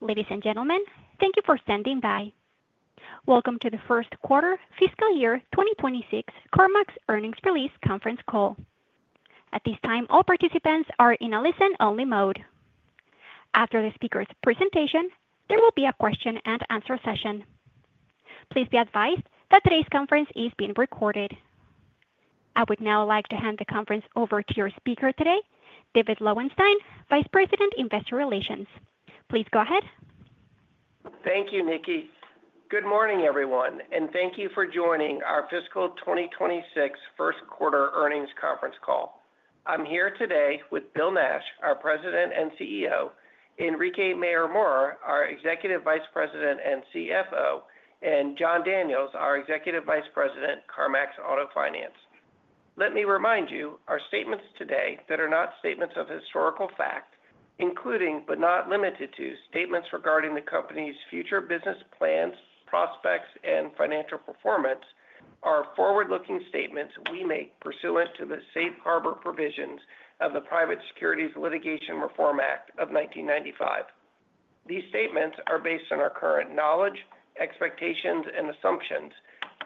Ladies and gentlemen, thank you for standing by. Welcome to the First Quarter, Fiscal Year 2026, CarMax Earnings Release Conference Call. At this time, all participants are in a listen-only mode. After the speaker's presentation, there will be a question-and-answer session. Please be advised that today's conference is being recorded. I would now like to hand the conference over to your speaker today, David Lowenstein, Vice President, Investor Relations. Please go ahead. Thank you, Nikki. Good morning, everyone, and thank you for joining our Fiscal 2026 First Quarter Earnings Conference Call. I'm here today with Bill Nash, our President and CEO, Enrique Mayor-Mora, our Executive Vice President and CFO, and Jon Daniels, our Executive Vice President, CarMax Auto Finance. Let me remind you, our statements today that are not statements of historical fact, including but not limited to statements regarding the company's future business plans, prospects, and financial performance, are forward-looking statements we make pursuant to the safe harbor provisions of the Private Securities Litigation Reform Act of 1995. These statements are based on our current knowledge, expectations, and assumptions,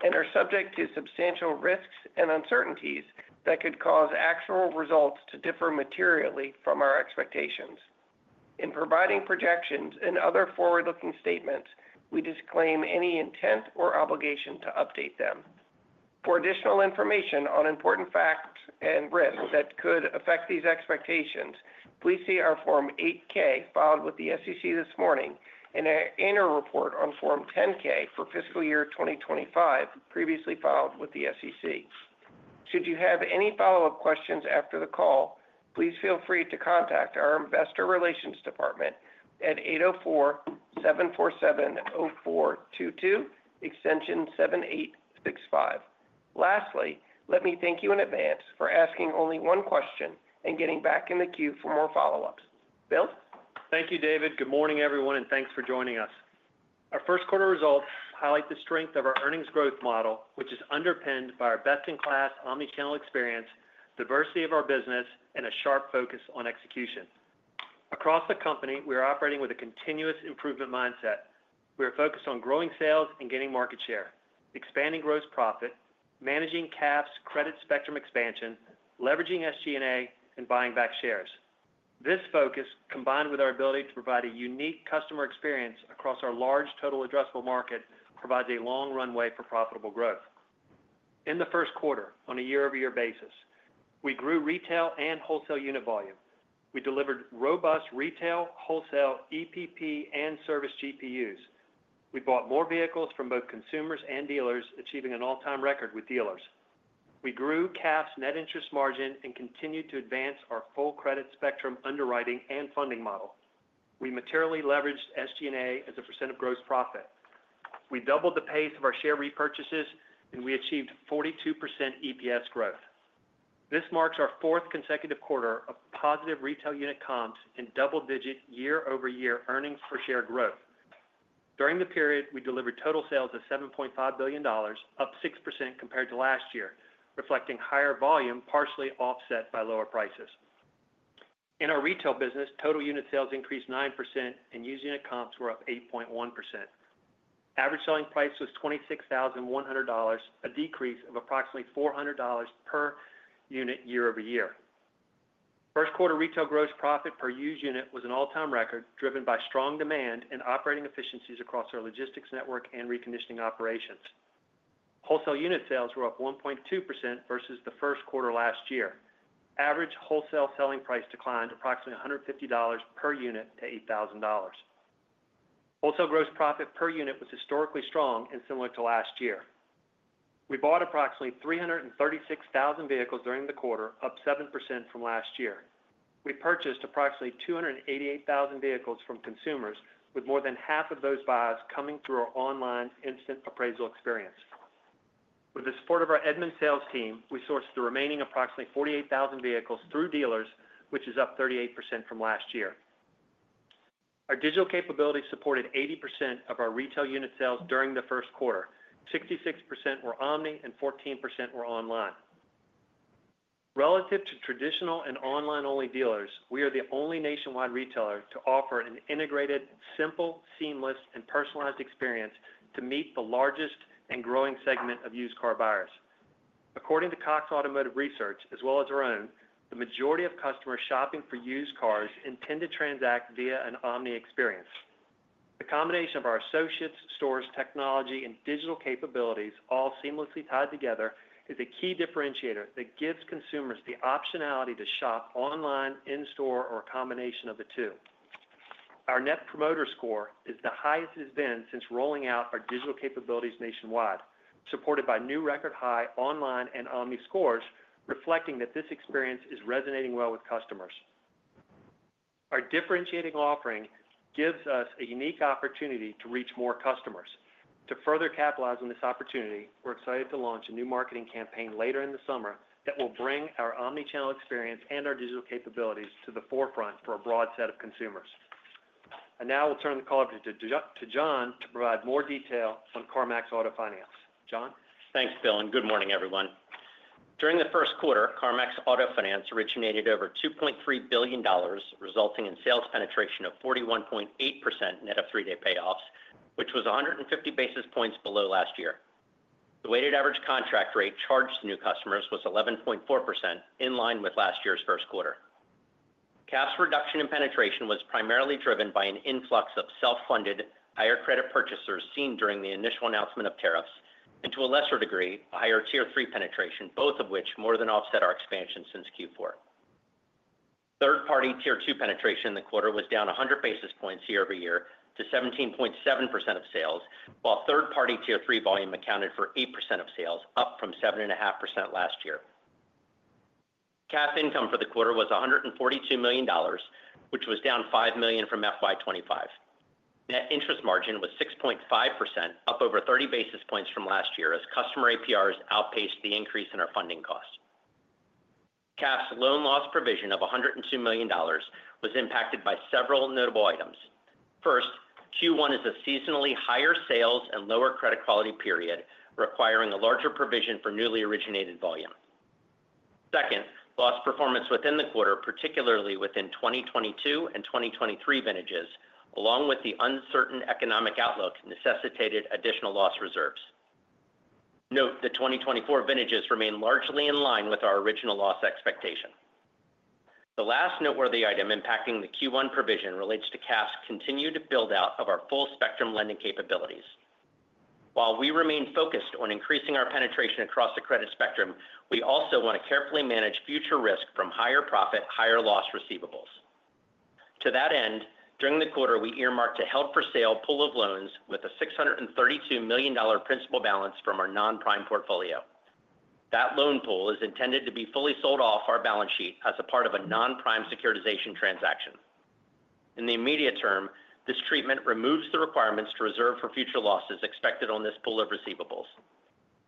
and are subject to substantial risks and uncertainties that could cause actual results to differ materially from our expectations. In providing projections and other forward-looking statements, we disclaim any intent or obligation to update them. For additional information on important facts and risks that could affect these expectations, please see our Form 8-K filed with the SEC this morning and our annual report on Form 10-K for fiscal year 2025, previously filed with the SEC. Should you have any follow-up questions after the call, please feel free to contact our Investor Relations Department at 804-747-0422, extension 7865. Lastly, let me thank you in advance for asking only one question and getting back in the queue for more follow-ups. Bill? Thank you, David. Good morning, everyone, and thanks for joining us. Our first quarter results highlight the strength of our earnings growth model, which is underpinned by our best-in-class omnichannel experience, diversity of our business, and a sharp focus on execution. Across the company, we are operating with a continuous improvement mindset. We are focused on growing sales and gaining market share, expanding gross profit, managing CAF's credit spectrum expansion, leveraging SG&A, and buying back shares. This focus, combined with our ability to provide a unique customer experience across our large total addressable market, provides a long runway for profitable growth. In the first quarter, on a year-over-year basis, we grew retail and wholesale unit volume. We delivered robust retail, wholesale, EPP, and service GPUs. We bought more vehicles from both consumers and dealers, achieving an all-time record with dealers. We grew CAF's net interest margin and continued to advance our full credit spectrum underwriting and funding model. We materially leveraged SG&A as a percent of gross profit. We doubled the pace of our share repurchases, and we achieved 42% EPS growth. This marks our fourth consecutive quarter of positive retail unit comps and double-digit year-over-year earnings per share growth. During the period, we delivered total sales of $7.5 billion, up 6% compared to last year, reflecting higher volume partially offset by lower prices. In our retail business, total unit sales increased 9%, and use unit comps were up 8.1%. Average selling price was $26,100, a decrease of approximately $400 per unit year-over-year. First quarter retail gross profit per use unit was an all-time record, driven by strong demand and operating efficiencies across our logistics network and reconditioning operations. Wholesale unit sales were up 1.2% versus the first quarter last year. Average wholesale selling price declined approximately $150 per unit to $8,000. Wholesale gross profit per unit was historically strong and similar to last year. We bought approximately 336,000 vehicles during the quarter, up 7% from last year. We purchased approximately 288,000 vehicles from consumers, with more than half of those buys coming through our online instant appraisal experience. With the support of our Edmunds sales team, we sourced the remaining approximately 48,000 vehicles through dealers, which is up 38% from last year. Our digital capability supported 80% of our retail unit sales during the first quarter. 66% were omni and 14% were online. Relative to traditional and online-only dealers, we are the only nationwide retailer to offer an integrated, simple, seamless, and personalized experience to meet the largest and growing segment of used car buyers. According to Cox Automotive Research, as well as our own, the majority of customers shopping for used cars intend to transact via an omni experience. The combination of our associates, stores, technology, and digital capabilities, all seamlessly tied together, is a key differentiator that gives consumers the optionality to shop online, in-store, or a combination of the two. Our net promoter score is the highest it has been since rolling out our digital capabilities nationwide, supported by new record high online and omni scores, reflecting that this experience is resonating well with customers. Our differentiating offering gives us a unique opportunity to reach more customers. To further capitalize on this opportunity, we're excited to launch a new marketing campaign later in the summer that will bring our omnichannel experience and our digital capabilities to the forefront for a broad set of consumers. We will turn the call over to Jon to provide more detail on CarMax Auto Finance. Jon. Thanks, Bill, and good morning, everyone. During the first quarter, CarMax Auto Finance originated over $2.3 billion, resulting in sales penetration of 41.8% net of three-day payoffs, which was 150 basis points below last year. The weighted average contract rate charged to new customers was 11.4%, in line with last year's first quarter. CAF's reduction in penetration was primarily driven by an influx of self-funded, higher credit purchasers seen during the initial announcement of tariffs, and to a lesser degree, a higher Tier 3 penetration, both of which more than offset our expansion since Q4. Third-party Tier 2 penetration in the quarter was down 100 basis points year-over-year to 17.7% of sales, while third-party Tier 3 volume accounted for 8% of sales, up from 7.5% last year. CAF income for the quarter was $142 million, which was down $5 million from FY 2025. Net interest margin was 6.5%, up over 30 basis points from last year as customer APRs outpaced the increase in our funding cost. CAF's loan loss provision of $102 million was impacted by several notable items. First, Q1 is a seasonally higher sales and lower credit quality period, requiring a larger provision for newly originated volume. Second, loss performance within the quarter, particularly within 2022 and 2023 vintages, along with the uncertain economic outlook, necessitated additional loss reserves. Note the 2024 vintages remain largely in line with our original loss expectation. The last noteworthy item impacting the Q1 provision relates to CAF's continued build-out of our full spectrum lending capabilities. While we remain focused on increasing our penetration across the credit spectrum, we also want to carefully manage future risk from higher profit, higher loss receivables. To that end, during the quarter, we earmarked a held-for-sale pool of loans with a $632 million principal balance from our non-prime portfolio. That loan pool is intended to be fully sold off our balance sheet as a part of a non-prime securitization transaction. In the immediate term, this treatment removes the requirements to reserve for future losses expected on this pool of receivables.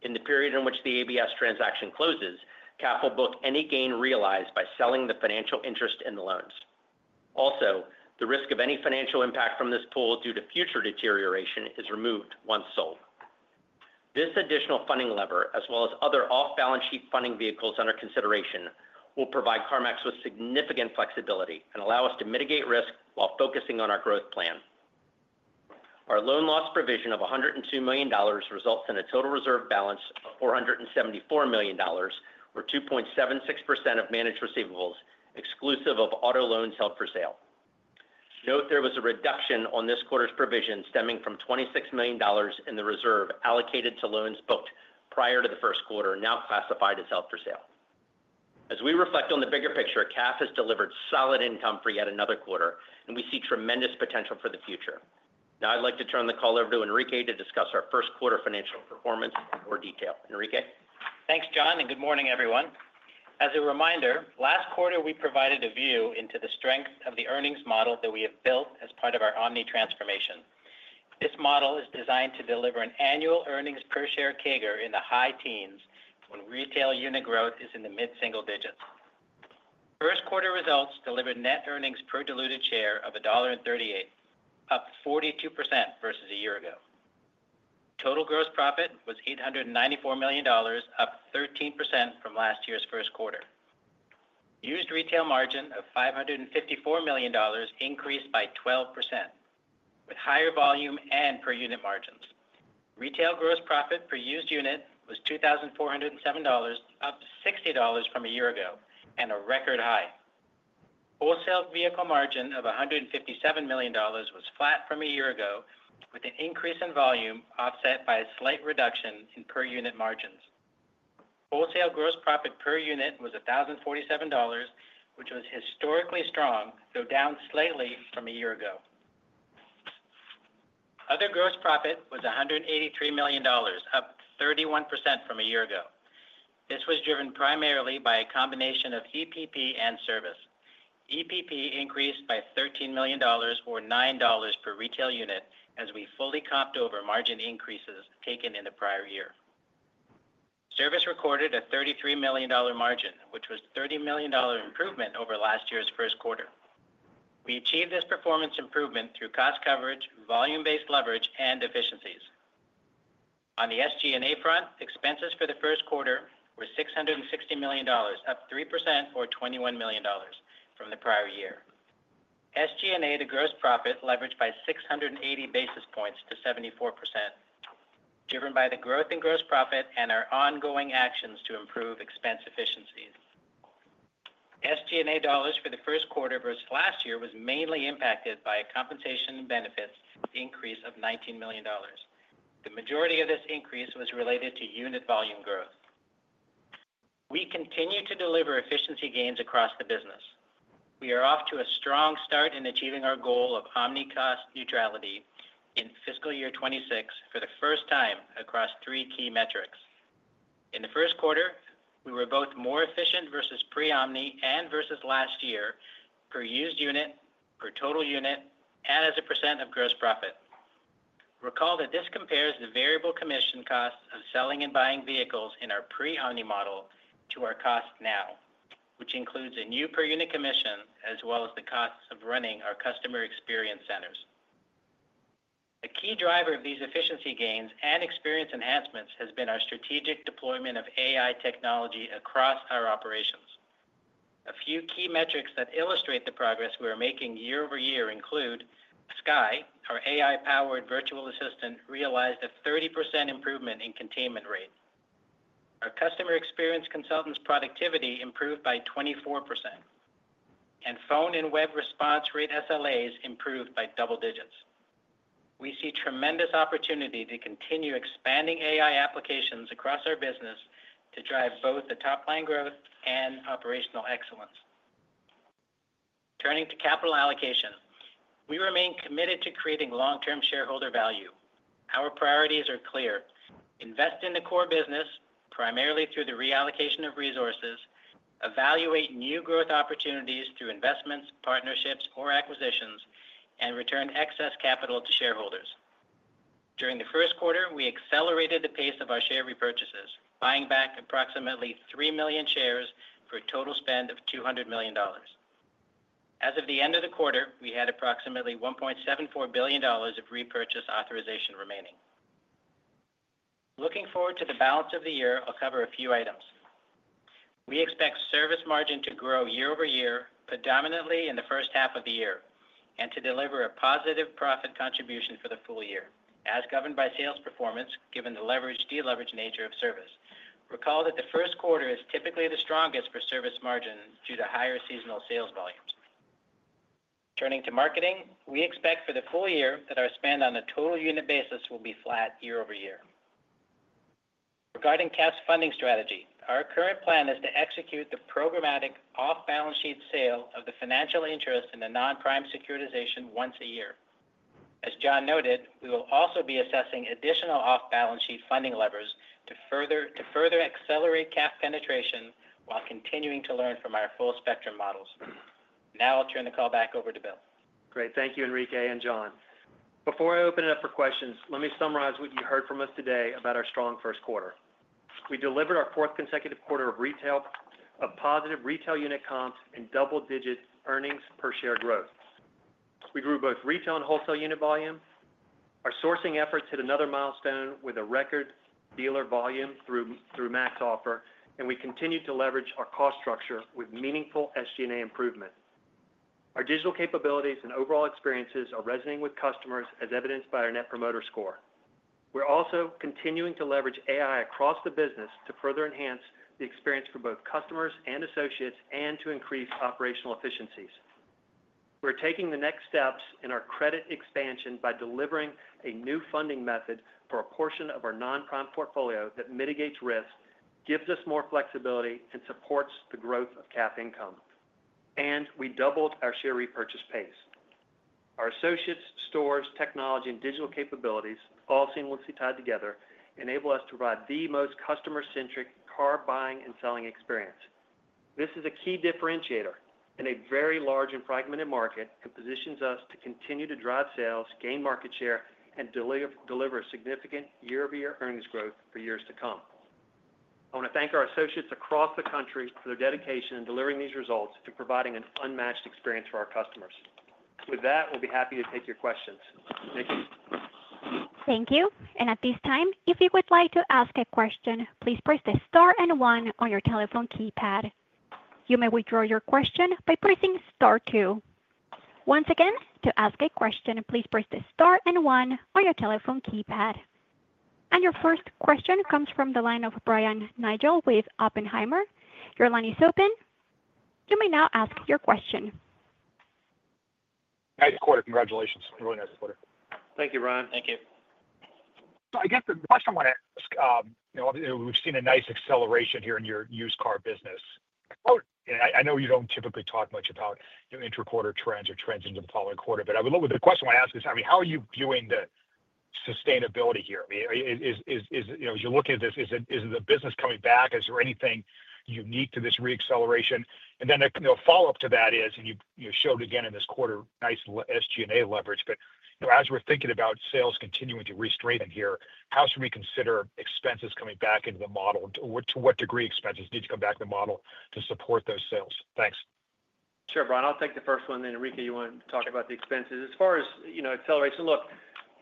In the period in which the ABS transaction closes, CAF will book any gain realized by selling the financial interest in the loans. Also, the risk of any financial impact from this pool due to future deterioration is removed once sold. This additional funding lever, as well as other off-balance sheet funding vehicles under consideration, will provide CarMax with significant flexibility and allow us to mitigate risk while focusing on our growth plan. Our loan loss provision of $102 million results in a total reserve balance of $474 million, or 2.76% of managed receivables exclusive of auto loans held for sale. Note there was a reduction on this quarter's provision stemming from $26 million in the reserve allocated to loans booked prior to the first quarter, now classified as held for sale. As we reflect on the bigger picture, CAF has delivered solid income for yet another quarter, and we see tremendous potential for the future. Now I'd like to turn the call over to Enrique to discuss our first quarter financial performance in more detail. Enrique? Thanks, Jon, and good morning, everyone. As a reminder, last quarter we provided a view into the strength of the earnings model that we have built as part of our omni transformation. This model is designed to deliver an annual earnings per share CAGR in the high teens when retail unit growth is in the mid-single digits. First quarter results delivered net earnings per diluted share of $1.38, up 42% versus a year ago. Total gross profit was $894 million, up 13% from last year's first quarter. Used retail margin of $554 million increased by 12%, with higher volume and per unit margins. Retail gross profit per used unit was $2,407, up $60 from a year ago, and a record high. Wholesale vehicle margin of $157 million was flat from a year ago, with an increase in volume offset by a slight reduction in per unit margins. Wholesale gross profit per unit was $1,047, which was historically strong, though down slightly from a year ago. Other gross profit was $183 million, up 31% from a year ago. This was driven primarily by a combination of EPP and service. EPP increased by $13 million, or $9 per retail unit, as we fully comped over margin increases taken in the prior year. Service recorded a $33 million margin, which was a $30 million improvement over last year's first quarter. We achieved this performance improvement through cost coverage, volume-based leverage, and efficiencies. On the SG&A front, expenses for the first quarter were $660 million, up 3%, or $21 million from the prior year. SG&A to gross profit leveraged by 680 basis points to 74%, driven by the growth in gross profit and our ongoing actions to improve expense efficiencies. SG&A dollars for the first quarter versus last year was mainly impacted by a compensation benefits increase of $19 million. The majority of this increase was related to unit volume growth. We continue to deliver efficiency gains across the business. We are off to a strong start in achieving our goal of omni-cost neutrality in fiscal year 2026 for the first time across three key metrics. In the first quarter, we were both more efficient versus pre-omni and versus last year per used unit, per total unit, and as a percent of gross profit. Recall that this compares the variable commission costs of selling and buying vehicles in our pre-omni model to our cost now, which includes a new per unit commission as well as the costs of running our customer experience centers. A key driver of these efficiency gains and experience enhancements has been our strategic deployment of AI technology across our operations. A few key metrics that illustrate the progress we are making year-over-year include Skye, our AI-powered virtual assistant, realized a 30% improvement in containment rate. Our customer experience consultants' productivity improved by 24%, and phone and web response rate SLAs improved by double digits. We see tremendous opportunity to continue expanding AI applications across our business to drive both the top-line growth and operational excellence. Turning to capital allocation, we remain committed to creating long-term shareholder value. Our priorities are clear: invest in the core business primarily through the reallocation of resources, evaluate new growth opportunities through investments, partnerships, or acquisitions, and return excess capital to shareholders. During the first quarter, we accelerated the pace of our share repurchases, buying back approximately 3 million shares for a total spend of $200 million. As of the end of the quarter, we had approximately $1.74 billion of repurchase authorization remaining. Looking forward to the balance of the year, I'll cover a few items. We expect service margin to grow year-over-year, predominantly in the first half of the year, and to deliver a positive profit contribution for the full year, as governed by sales performance given the leveraged deleveraged nature of service. Recall that the first quarter is typically the strongest for service margin due to higher seasonal sales volumes. Turning to marketing, we expect for the full year that our spend on a total unit basis will be flat year-over-year. Regarding CAF's funding strategy, our current plan is to execute the programmatic off-balance sheet sale of the financial interest in the non-prime securitization once a year. As Jon noted, we will also be assessing additional off-balance sheet funding levers to further accelerate CAF penetration while continuing to learn from our full spectrum models. Now I'll turn the call back over to Bill. Great. Thank you, Enrique and Jon. Before I open it up for questions, let me summarize what you heard from us today about our strong first quarter. We delivered our fourth consecutive quarter of positive retail unit comps and double-digit earnings per share growth. We grew both retail and wholesale unit volume. Our sourcing efforts hit another milestone with a record dealer volume through MaxOffer, and we continue to leverage our cost structure with meaningful SG&A improvement. Our digital capabilities and overall experiences are resonating with customers, as evidenced by our net promoter score. We're also continuing to leverage AI across the business to further enhance the experience for both customers and associates and to increase operational efficiencies. We're taking the next steps in our credit expansion by delivering a new funding method for a portion of our non-prime portfolio that mitigates risk, gives us more flexibility, and supports the growth of CAF income. We doubled our share repurchase pace. Our associates, stores, technology, and digital capabilities, all seamlessly tied together, enable us to provide the most customer-centric car buying and selling experience. This is a key differentiator in a very large and fragmented market and positions us to continue to drive sales, gain market share, and deliver significant year-over-year earnings growth for years to come. I want to thank our associates across the country for their dedication in delivering these results and providing an unmatched experience for our customers. With that, we'll be happy to take your questions. Thank you. Thank you. At this time, if you would like to ask a question, please press the star and one on your telephone keypad. You may withdraw your question by pressing star two. Once again, to ask a question, please press the star and one on your telephone keypad. Your first question comes from the line of Brian Nagel with Oppenheimer. Your line is open. You may now ask your question. Nice quarter. Congratulations. Really nice quarter. Thank you, Brian. Thank you. I guess the question I want to ask, we've seen a nice acceleration here in your used car business. I know you don't typically talk much about your intra-quarter trends or trends into the following quarter, but the question I want to ask is, I mean, how are you viewing the sustainability here? As you look at this, is the business coming back? Is there anything unique to this re-acceleration? A follow-up to that is, you showed again in this quarter, nice SG&A leverage, but as we're thinking about sales continuing to re-strengthen here, how should we consider expenses coming back into the model? To what degree expenses need to come back into the model to support those sales? Thanks. Sure, Brian. I'll take the first one. Enrique, you want to talk about the expenses as far as acceleration. Look,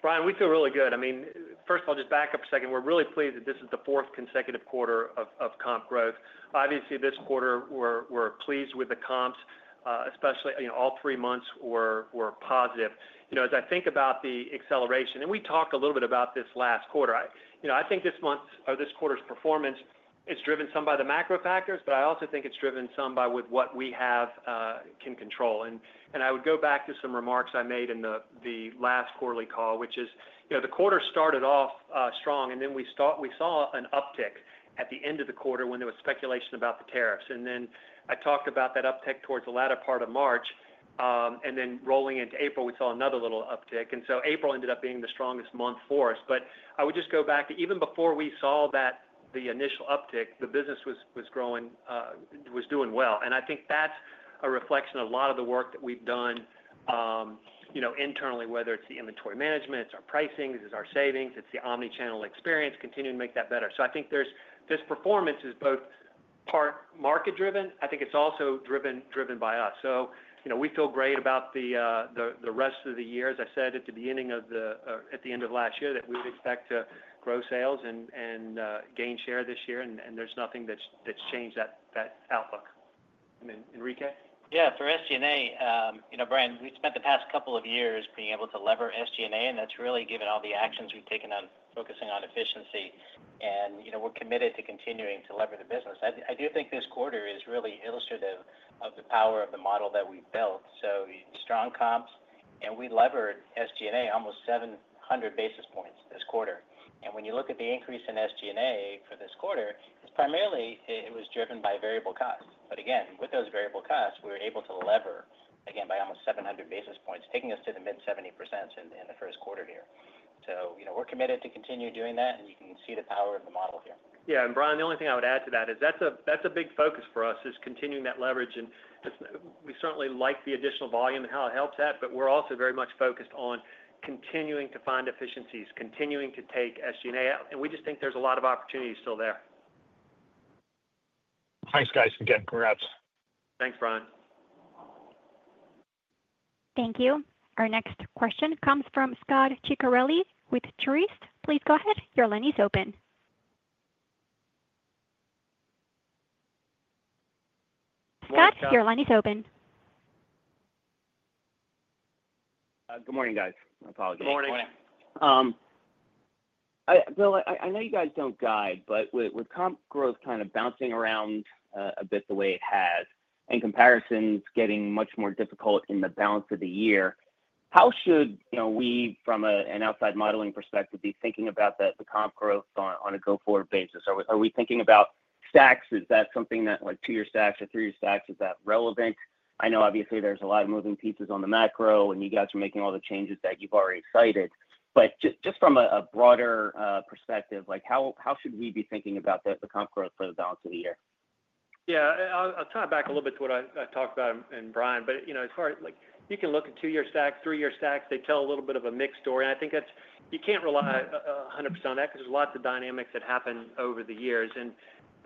Brian, we feel really good. I mean, first of all, just back up a second. We're really pleased that this is the fourth consecutive quarter of comp growth. Obviously, this quarter, we're pleased with the comps, especially all three months were positive. As I think about the acceleration, and we talked a little bit about this last quarter, I think this quarter's performance is driven some by the macro factors, but I also think it's driven some by what we have can control. I would go back to some remarks I made in the last quarterly call, which is the quarter started off strong, and then we saw an uptick at the end of the quarter when there was speculation about the tariffs. I talked about that uptick towards the latter part of March, and then rolling into April, we saw another little uptick. April ended up being the strongest month for us. I would just go back to even before we saw the initial uptick, the business was doing well. I think that's a reflection of a lot of the work that we've done internally, whether it's the inventory management, it's our pricing, it's our savings, it's the omnichannel experience, continuing to make that better. I think this performance is both part market-driven. I think it's also driven by us. We feel great about the rest of the year. As I said at the end of last year, we would expect to grow sales and gain share this year, and there's nothing that's changed that outlook. I mean, Enrique? Yeah. For SG&A, Brian, we spent the past couple of years being able to lever SG&A, and that's really given all the actions we've taken on focusing on efficiency. We're committed to continuing to lever the business. I do think this quarter is really illustrative of the power of the model that we've built. Strong comps, and we levered SG&A almost 700 basis points this quarter. When you look at the increase in SG&A for this quarter, it's primarily driven by variable costs. Again, with those variable costs, we were able to lever, again, by almost 700 basis points, taking us to the mid-70% in the first quarter here. We're committed to continue doing that, and you can see the power of the model here. Yeah. Brian, the only thing I would add to that is that's a big focus for us, is continuing that leverage. We certainly like the additional volume and how it helps that, but we're also very much focused on continuing to find efficiencies, continuing to take SG&A. We just think there's a lot of opportunity still there. Thanks, guys. Again, congrats. Thanks, Brian. Thank you. Our next question comes from Scot Ciccarelli with Truist. Please go ahead. Your line is open. Scot, your line is open. Good morning, guys. Apologies. Good morning. Good morning. Bill, I know you guys do not guide, but with comp growth kind of bouncing around a bit the way it has and comparisons getting much more difficult in the balance of the year, how should we, from an outside modeling perspective, be thinking about the comp growth on a go-forward basis? Are we thinking about stacks? Is that something that, like, two-year stacks or three-year stacks, is that relevant? I know, obviously, there is a lot of moving pieces on the macro, and you guys are making all the changes that you have already cited. Just from a broader perspective, how should we be thinking about the comp growth for the balance of the year? Yeah. I'll tie it back a little bit to what I talked about and Brian, but as far as you can look at two-year stacks, three-year stacks, they tell a little bit of a mixed story. I think you can't rely 100% on that because there's lots of dynamics that happen over the years. As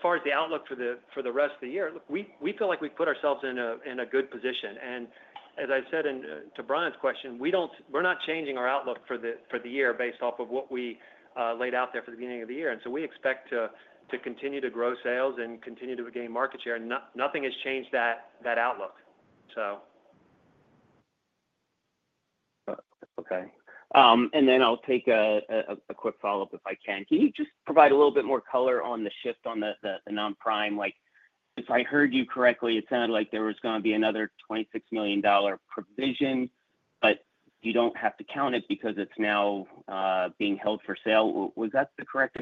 far as the outlook for the rest of the year, we feel like we've put ourselves in a good position. As I said to Brian's question, we're not changing our outlook for the year based off of what we laid out there for the beginning of the year. We expect to continue to grow sales and continue to gain market share. Nothing has changed that outlook. Okay. And then I'll take a quick follow-up if I can. Can you just provide a little bit more color on the shift on the non-prime? If I heard you correctly, it sounded like there was going to be another $26 million provision, but you don't have to count it because it's now being held for sale. Was that the correct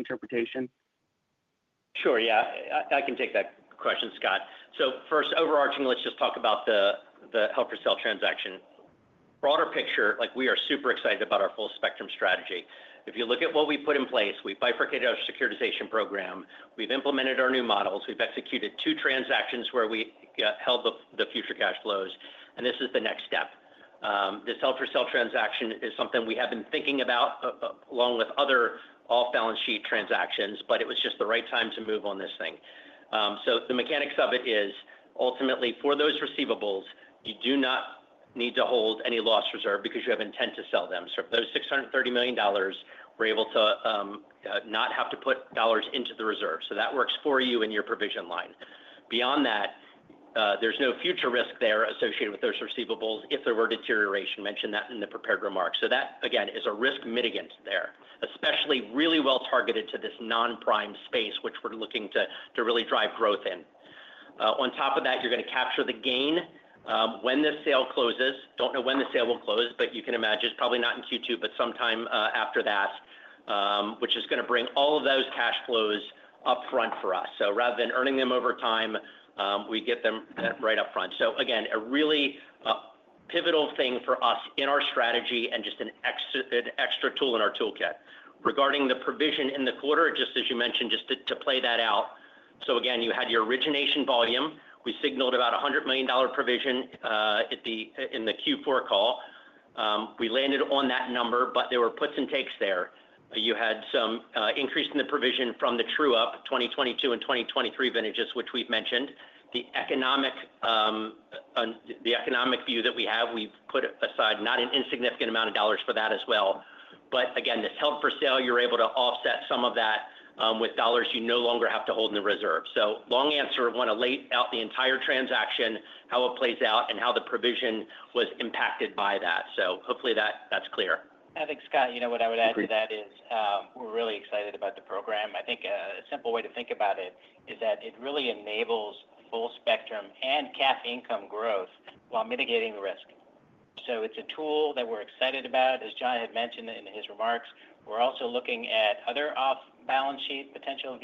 interpretation? Sure. Yeah. I can take that question, Scot. First, overarching, let's just talk about the help-for-sale transaction. Broader picture, we are super excited about our full spectrum strategy. If you look at what we put in place, we bifurcated our securitization program. We've implemented our new models. We've executed two transactions where we held the future cash flows. This is the next step. This help-for-sale transaction is something we have been thinking about along with other off-balance sheet transactions, but it was just the right time to move on this thing. The mechanics of it is, ultimately, for those receivables, you do not need to hold any loss reserve because you have intent to sell them. For those $630 million, we're able to not have to put dollars into the reserve. That works for you in your provision line. Beyond that, there's no future risk there associated with those receivables if there were deterioration. Mentioned that in the prepared remarks. That, again, is a risk mitigant there, especially really well targeted to this non-prime space, which we're looking to really drive growth in. On top of that, you're going to capture the gain when the sale closes. Don't know when the sale will close, but you can imagine it's probably not in Q2, but sometime after that, which is going to bring all of those cash flows upfront for us. Rather than earning them over time, we get them right upfront. Again, a really pivotal thing for us in our strategy and just an extra tool in our toolkit. Regarding the provision in the quarter, just as you mentioned, just to play that out. Again, you had your origination volume. We signaled about a $100 million provision in the Q4 call. We landed on that number, but there were puts and takes there. You had some increase in the provision from the true-up 2022 and 2023 vintages, which we've mentioned. The economic view that we have, we've put aside not an insignificant amount of dollars for that as well. Again, this help-for-sale, you're able to offset some of that with dollars you no longer have to hold in the reserve. Long answer, I want to lay out the entire transaction, how it plays out, and how the provision was impacted by that. Hopefully that's clear. I think, Scot, you know what I would add to that is we're really excited about the program. I think a simple way to think about it is that it really enables full spectrum and CAF income growth while mitigating risk. It is a tool that we're excited about. As Jon had mentioned in his remarks, we're also looking at other off-balance sheet potential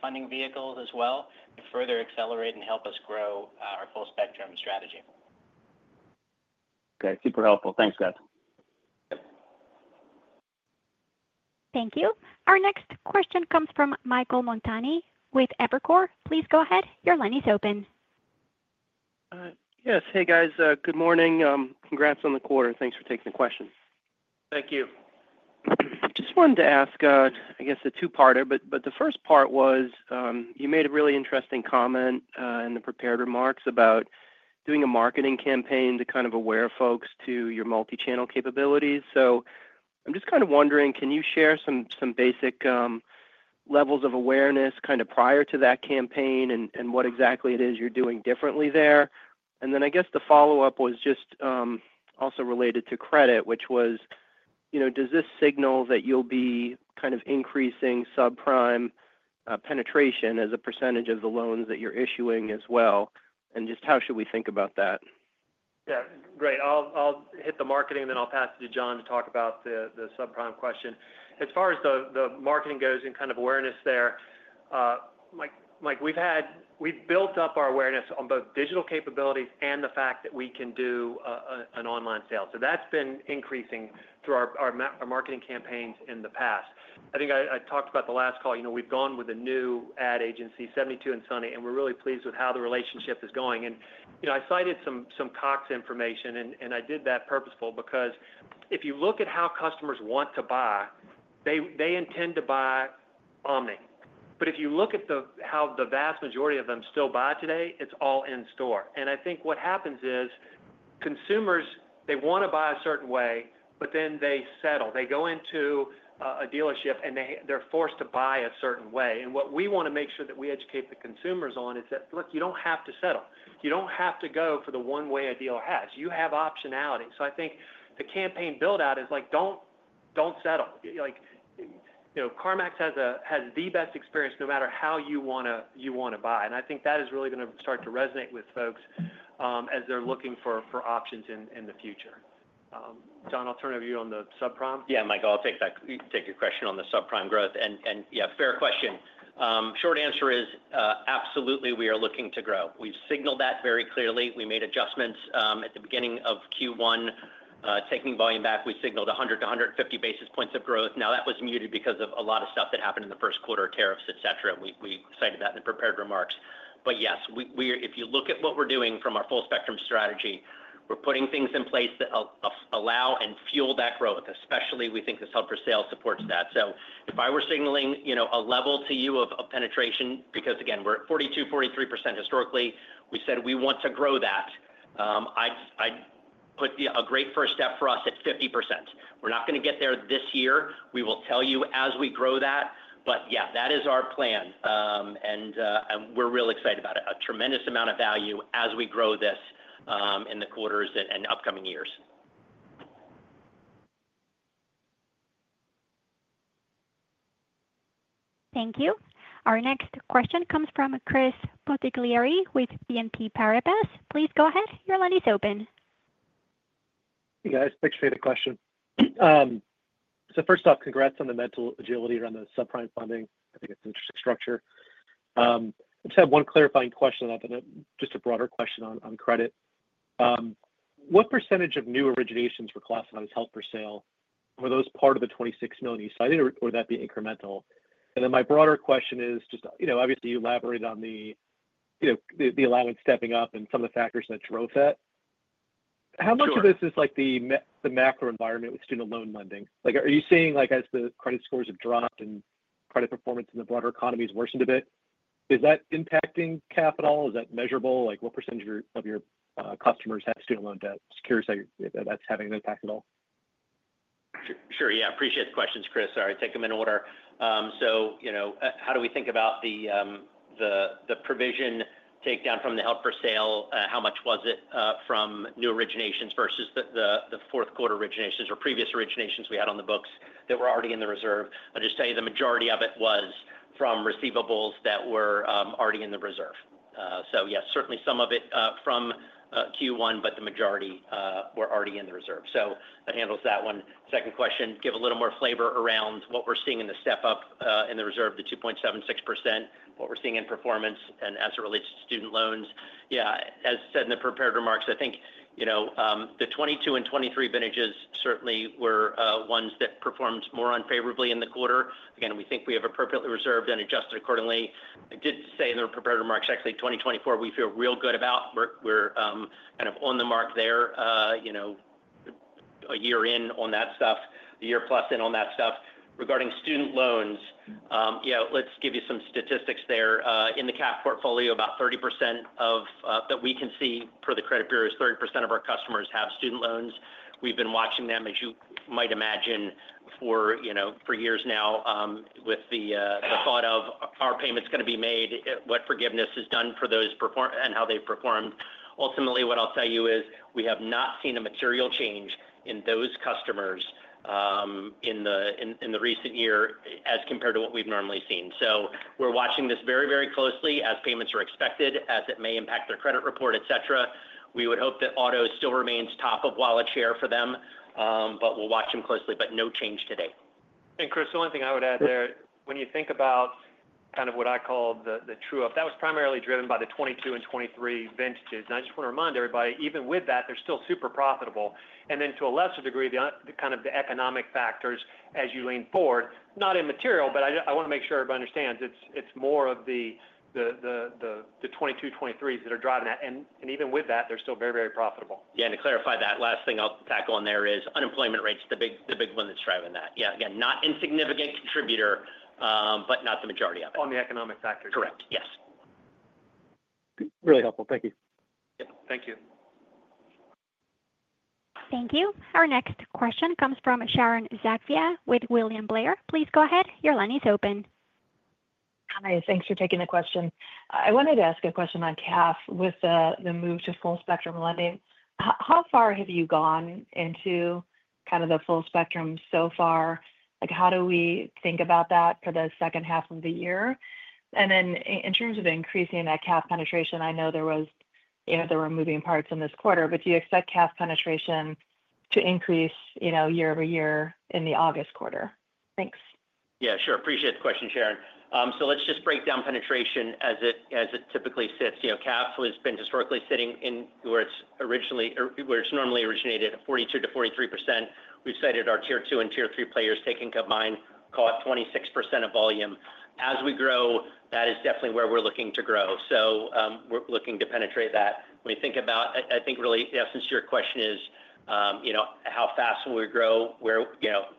funding vehicles as well to further accelerate and help us grow our full spectrum strategy. Okay. Super helpful. Thanks, guys. Thank you. Our next question comes from Michael Montani with Evercore. Please go ahead. Your line is open. Yes. Hey, guys. Good morning. Congrats on the quarter. Thanks for taking the question. Thank you. Just wanted to ask, I guess, a two-parter, but the first part was you made a really interesting comment in the prepared remarks about doing a marketing campaign to kind of aware folks to your multi-channel capabilities. I'm just kind of wondering, can you share some basic levels of awareness kind of prior to that campaign and what exactly it is you're doing differently there? I guess the follow-up was just also related to credit, which was, does this signal that you'll be kind of increasing subprime penetration as a percentage of the loans that you're issuing as well? Just how should we think about that? Yeah. Great. I'll hit the marketing, and then I'll pass it to Jon to talk about the subprime question. As far as the marketing goes and kind of awareness there, Mike, we've built up our awareness on both digital capabilities and the fact that we can do an online sale. That's been increasing through our marketing campaigns in the past. I think I talked about the last call. We've gone with a new ad agency, 72andSunny, and we're really pleased with how the relationship is going. I cited some Cox information, and I did that purposeful because if you look at how customers want to buy, they intend to buy omni. If you look at how the vast majority of them still buy today, it's all in store. I think what happens is consumers, they want to buy a certain way, but then they settle. They go into a dealership, and they're forced to buy a certain way. What we want to make sure that we educate the consumers on is that, look, you don't have to settle. You don't have to go for the one-way a deal has. You have optionality. I think the campaign build-out is like, don't settle. CarMax has the best experience no matter how you want to buy. I think that is really going to start to resonate with folks as they're looking for options in the future. Jon, I'll turn it over to you on the subprime. Yeah, Michael, I'll take your question on the subprime growth. Yeah, fair question. Short answer is, absolutely, we are looking to grow. We've signaled that very clearly. We made adjustments at the beginning of Q1, taking volume back. We signaled 100 basis points-150 basis points of growth. That was muted because of a lot of stuff that happened in the first quarter, tariffs, etc. We cited that in the prepared remarks. Yes, if you look at what we're doing from our full spectrum strategy, we're putting things in place that allow and fuel that growth, especially we think this help-for-sale supports that. If I were signaling a level to you of penetration, because again, we're at 42%, 43% historically, we said we want to grow that. I'd put a great first step for us at 50%. We're not going to get there this year. We will tell you as we grow that. Yeah, that is our plan, and we're real excited about it. A tremendous amount of value as we grow this in the quarters and upcoming years. Thank you. Our next question comes from Chris Bottiglieri with BNP Paribas. Please go ahead. Your line is open. Hey, guys. Thanks for the question. First off, congrats on the mental agility around the subprime funding. I think it's an interesting structure. I just have one clarifying question on that, but just a broader question on credit. What percentage of new originations were classified as held-for-sale? Were those part of the $26 million you cited, or would that be incremental? My broader question is, obviously, you elaborated on the allowance stepping up and some of the factors that drove that. How much of this is like the macro environment with student loan lending? Are you seeing, as the credit scores have dropped and credit performance in the broader economy has worsened a bit, is that impacting capital? Is that measurable? What percentage of your customers have student loan debt? Just curious how that's having an impact at all. Sure. Yeah. Appreciate the questions, Chris. Sorry. Take them in order. How do we think about the provision takedown from the held-for-sale? How much was it from new originations versus the fourth quarter originations or previous originations we had on the books that were already in the reserve? I'll just tell you the majority of it was from receivables that were already in the reserve. Yes, certainly some of it from Q1, but the majority were already in the reserve. That handles that one. Second question, give a little more flavor around what we're seeing in the step-up in the reserve, the 2.76%, what we're seeing in performance and as it relates to student loans. Yeah. As said in the prepared remarks, I think the 2022 and 2023 vintages certainly were ones that performed more unfavorably in the quarter. Again, we think we have appropriately reserved and adjusted accordingly. I did say in the prepared remarks, actually, 2024, we feel real good about. We're kind of on the mark there a year in on that stuff, a year plus in on that stuff. Regarding student loans, yeah, let's give you some statistics there. In the CAF portfolio, about 30% that we can see per the credit bureau is 30% of our customers have student loans. We've been watching them, as you might imagine, for years now with the thought of, "Are payments going to be made? What forgiveness is done for those and how they've performed?" Ultimately, what I'll tell you is we have not seen a material change in those customers in the recent year as compared to what we've normally seen. We're watching this very, very closely as payments are expected, as it may impact their credit report, etc. We would hope that auto still remains top of wallet share for them, but we'll watch them closely, but no change today. Chris, the only thing I would add there, when you think about kind of what I call the true-up, that was primarily driven by the 2022 and 2023 vintages. I just want to remind everybody, even with that, they're still super profitable. To a lesser degree, kind of the economic factors as you lean forward, not immaterial, but I want to make sure everybody understands it's more of the 2022, 2023s that are driving that. Even with that, they're still very, very profitable. Yeah. To clarify that, last thing I'll tack on there is unemployment rate's the big one that's driving that. Yeah. Again, not insignificant contributor, but not the majority of it. On the economic factors. Correct. Yes. Really helpful. Thank you. Yep. Thank you. Thank you. Our next question comes from Sharon Zackfia with William Blair. Please go ahead. Your line is open. Hi. Thanks for taking the question. I wanted to ask a question on CAF with the move to full spectrum lending. How far have you gone into kind of the full spectrum so far? How do we think about that for the second half of the year? In terms of increasing that CAF penetration, I know there were moving parts in this quarter, but do you expect CAF penetration to increase year-over-year in the August quarter? Thanks. Yeah. Sure. Appreciate the question, Sharon. Let's just break down penetration as it typically sits. CAF has been historically sitting where it's normally originated at 42%-43%. We've cited our Tier 2 and Tier 3 players taking combined, call it, 26% of volume. As we grow, that is definitely where we're looking to grow. We're looking to penetrate that. When we think about, I think really, since your question is how fast will we grow,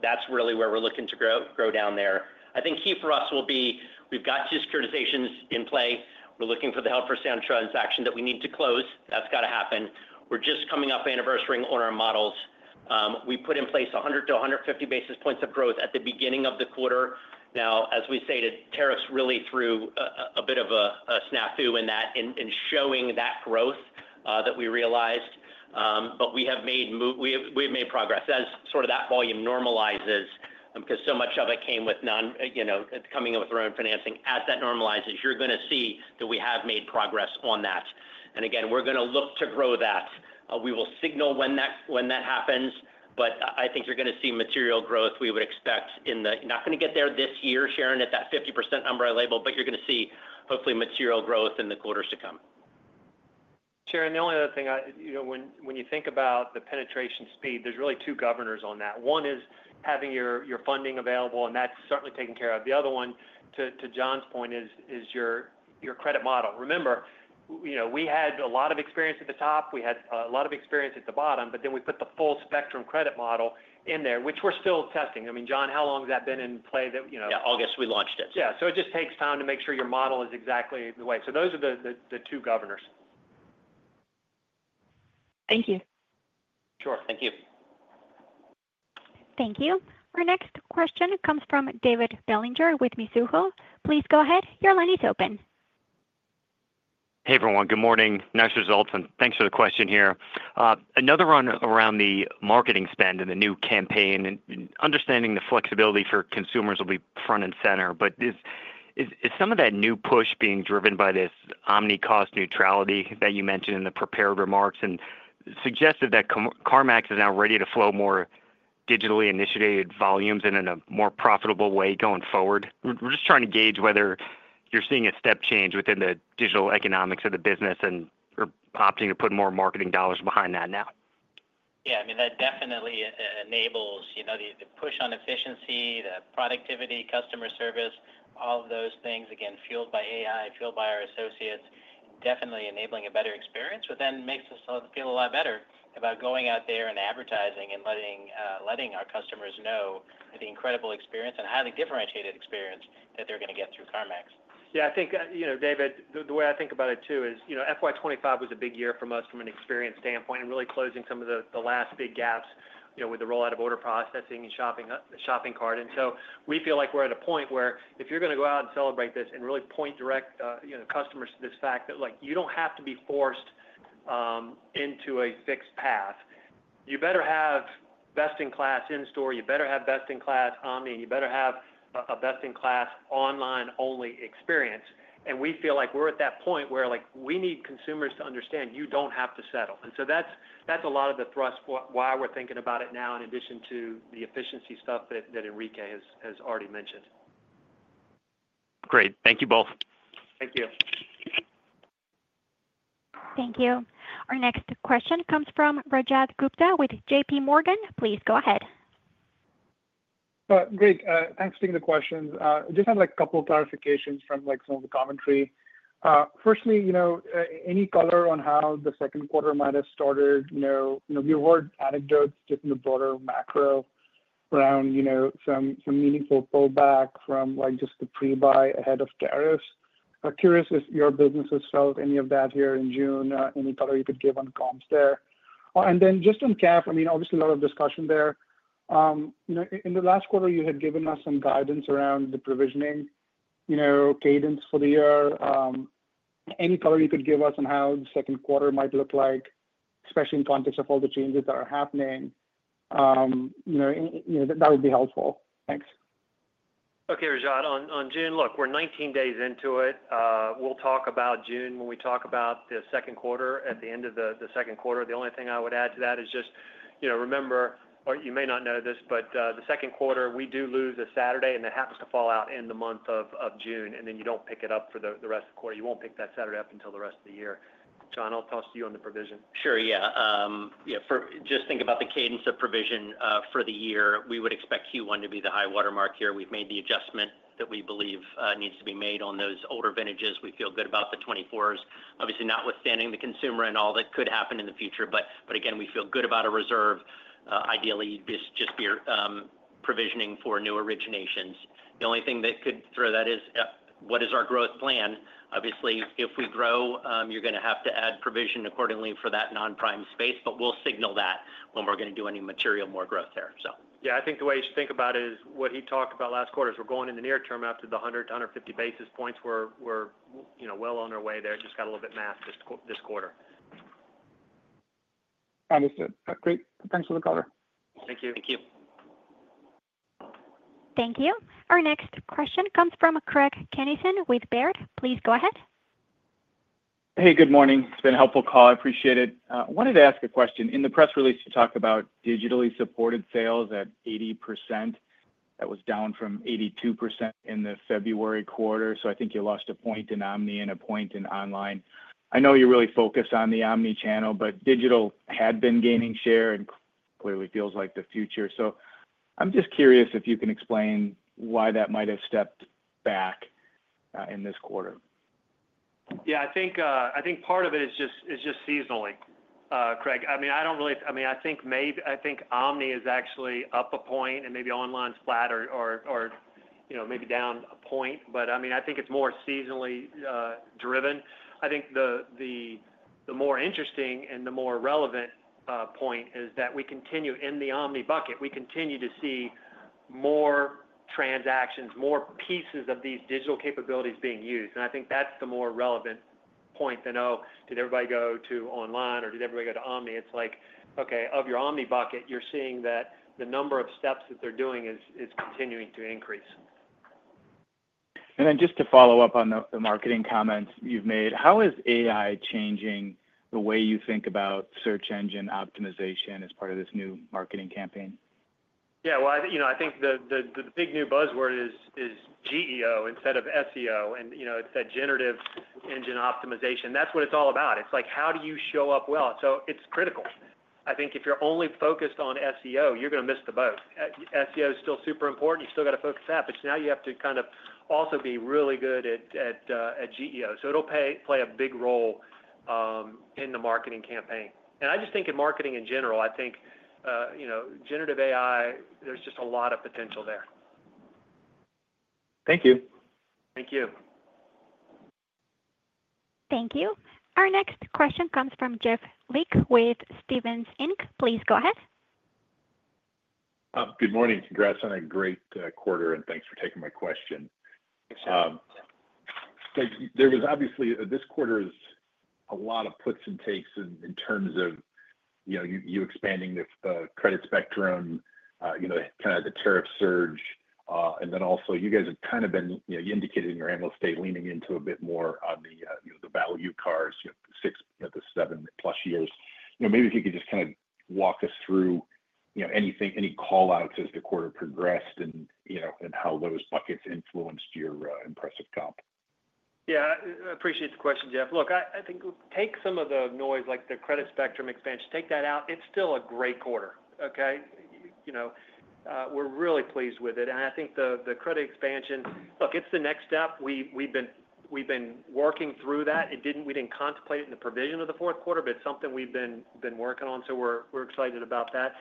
that's really where we're looking to grow down there. I think key for us will be we've got securitizations in play. We're looking for the held-for-sale transaction that we need to close. That's got to happen. We're just coming up on anniversary on our models. We put in place 100 basis points-150 basis points of growth at the beginning of the quarter. Now, as we cited, tariffs really threw a bit of a snafu in that in showing that growth that we realized. But we have made progress as sort of that volume normalizes because so much of it came with coming up with our own financing. As that normalizes, you're going to see that we have made progress on that. Again, we're going to look to grow that. We will signal when that happens, but I think you're going to see material growth. We would expect in the not going to get there this year, Sharon, at that 50% number I labeled, but you're going to see hopefully material growth in the quarters to come. Sharon, the only other thing, when you think about the penetration speed, there are really two governors on that. One is having your funding available, and that is certainly taken care of. The other one, to Jon's point, is your credit model. Remember, we had a lot of experience at the top. We had a lot of experience at the bottom, but then we put the full spectrum credit model in there, which we are still testing. I mean, Jon, how long has that been in play? Yeah. August we launched it. Yeah. So it just takes time to make sure your model is exactly the way. So those are the two governors. Thank you. Sure. Thank you. Thank you. Our next question comes from David Bellinger with Mizuho. Please go ahead. Your line is open. Hey, everyone. Good morning. Nice results. Thanks for the question here. Another one around the marketing spend and the new campaign. Understanding the flexibility for consumers will be front and center, is some of that new push being driven by this omni cost neutrality that you mentioned in the prepared remarks and suggested that CarMax is now ready to flow more digitally initiated volumes in a more profitable way going forward? We're just trying to gauge whether you're seeing a step change within the digital economics of the business and are opting to put more marketing dollars behind that now. Yeah. I mean, that definitely enables the push on efficiency, the productivity, customer service, all of those things, again, fueled by AI, fueled by our associates, definitely enabling a better experience, but then makes us feel a lot better about going out there and advertising and letting our customers know the incredible experience and highly differentiated experience that they're going to get through CarMax. Yeah. I think, David, the way I think about it too is FY 2025 was a big year for us from an experience standpoint and really closing some of the last big gaps with the rollout of order processing and shopping cart. We feel like we're at a point where if you're going to go out and celebrate this and really point direct customers to this fact that you don't have to be forced into a fixed path, you better have best-in-class in-store. You better have best-in-class omni. You better have a best-in-class online-only experience. We feel like we're at that point where we need consumers to understand you don't have to settle. That's a lot of the thrust why we're thinking about it now in addition to the efficiency stuff that Enrique has already mentioned. Great. Thank you both. Thank you. Thank you. Our next question comes from Rajat Gupta with JPMorgan. Please go ahead. Great. Thanks for taking the questions. I just have a couple of clarifications from some of the commentary. Firstly, any color on how the second quarter might have started? We've heard anecdotes just in the broader macro around some meaningful pullback from just the pre-buy ahead of tariffs. Curious if your business has felt any of that here in June, any color you could give on comms there. Then just on CAF, I mean, obviously a lot of discussion there. In the last quarter, you had given us some guidance around the provisioning cadence for the year. Any color you could give us on how the second quarter might look like, especially in context of all the changes that are happening? That would be helpful. Thanks. Okay, Rajat. On June, look, we're 19 days into it. We'll talk about June when we talk about the second quarter at the end of the second quarter. The only thing I would add to that is just remember, or you may not know this, but the second quarter, we do lose a Saturday, and that happens to fall out in the month of June, and then you don't pick it up for the rest of the quarter. You won't pick that Saturday up until the rest of the year. Jon, I'll toss to you on the provision. Sure. Yeah. Just think about the cadence of provision for the year. We would expect Q1 to be the high watermark here. We've made the adjustment that we believe needs to be made on those older vintages. We feel good about the 24s. Obviously, not withstanding the consumer and all that could happen in the future, but again, we feel good about a reserve, ideally just provisioning for new originations. The only thing that could throw that is what is our growth plan? Obviously, if we grow, you're going to have to add provision accordingly for that non-prime space, but we'll signal that when we're going to do any material more growth there, so. Yeah. I think the way you should think about it is what he talked about last quarter is we're going in the near term after the 100-150 basis points. We're well on our way there. It just got a little bit math this quarter. Understood. Great. Thanks for the color. Thank you. Thank you. Thank you. Our next question comes from Craig Kennison with Baird. Please go ahead. Hey, good morning. It's been a helpful call. I appreciate it. I wanted to ask a question. In the press release, you talked about digitally supported sales at 80%. That was down from 82% in the February quarter. I think you lost a point in omni and a point in online. I know you're really focused on the omnichannel, but digital had been gaining share and clearly feels like the future. I'm just curious if you can explain why that might have stepped back in this quarter. Yeah. I think part of it is just seasonally, Craig. I mean, I do not really, I mean, I think omni is actually up a point and maybe online's flat or maybe down a point, but I mean, I think it's more seasonally driven. I think the more interesting and the more relevant point is that we continue in the Omni bucket. We continue to see more transactions, more pieces of these digital capabilities being used. I think that's the more relevant point to know. Did everybody go to online or did everybody go to omni? It's like, okay, of your omni bucket, you're seeing that the number of steps that they're doing is continuing to increase. Just to follow up on the marketing comments you've made, how is AI changing the way you think about search engine optimization as part of this new marketing campaign? Yeah. I think the big new buzzword is GEO instead of SEO, and it is that generative engine optimization. That is what it is all about. It is like, how do you show up well? It is critical. I think if you are only focused on SEO, you are going to miss the boat. SEO is still super important. You have still got to focus on that, but now you have to kind of also be really good at GEO. It will play a big role in the marketing campaign. I just think in marketing in general, I think generative AI, there is just a lot of potential there. Thank you. Thank you. Thank you. Our next question comes from Jeff Lick with Stephens Inc. Please go ahead. Good morning. Congrats on a great quarter, and thanks for taking my question. There was obviously this quarter is a lot of puts and takes in terms of you expanding the credit spectrum, kind of the tariff surge, and then also you guys have kind of been indicating your analysts they're leaning into a bit more on the value cars, the six, the 7+ years. Maybe if you could just kind of walk us through any callouts as the quarter progressed and how those buckets influenced your impressive comp. Yeah. I appreciate the question, Jeff. Look, I think take some of the noise, like the credit spectrum expansion, take that out. It's still a great quarter, okay? We're really pleased with it. I think the credit expansion, look, it's the next step. We've been working through that. We didn't contemplate it in the provision of the fourth quarter, but it's something we've been working on, so we're excited about that.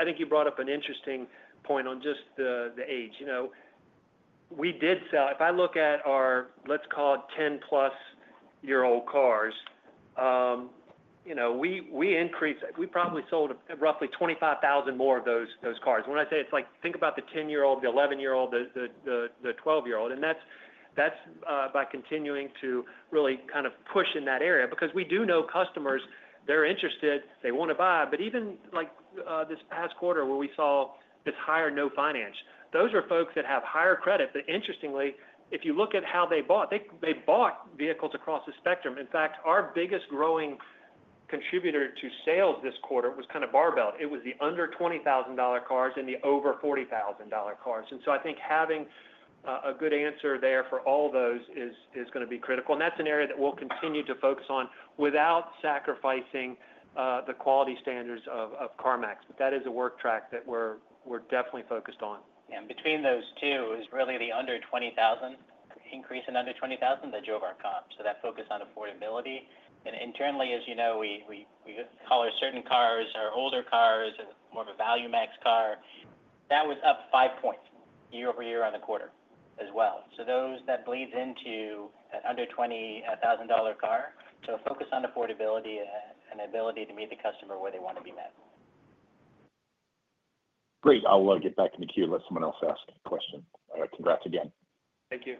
I think you brought up an interesting point on just the age. We did sell, if I look at our, let's call it, 10+ year-old cars, we increased, we probably sold roughly 25,000 more of those cars. When I say it's like, think about the 10-year-old, the 11-year-old, the 12-year-old, and that's by continuing to really kind of push in that area because we do know customers, they're interested, they want to buy, but even this past quarter where we saw this higher no finance, those are folks that have higher credit. Interestingly, if you look at how they bought, they bought vehicles across the spectrum. In fact, our biggest growing contributor to sales this quarter was kind of barbelled. It was the under $20,000 cars and the over $40,000 cars. I think having a good answer there for all those is going to be critical. That is an area that we'll continue to focus on without sacrificing the quality standards of CarMax. That is a work track that we're definitely focused on. Yeah. Between those two is really the under $20,000 increase and under $20,000, the drove our comp. That focus on affordability. Internally, as you know, we color certain cars, our older cars, more of a value max car. That was up five points year-over-year on the quarter as well. Those, that bleeds into that under $20,000 car. Focus on affordability and ability to meet the customer where they want to be met. Great. I'll get back in the queue. Let someone else ask a question. Congrats again. Thank you.